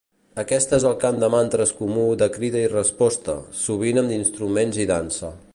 Aquest és el cant de mantres comú de crida i resposta, sovint amb instruments i dansa.